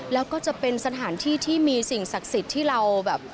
แล้วก็จะเป็นสถานที่ที่มีสิ่งศักดิ์สิทธิ์ที่เราแบบ